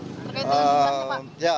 terkait dengan jumlahnya pak